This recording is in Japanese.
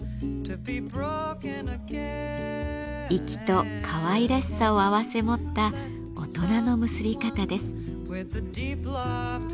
粋とかわいらしさを併せ持った大人の結び方です。